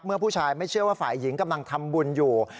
ผู้ชายไม่เชื่อว่าฝ่ายหญิงกำลังทำบุญอยู่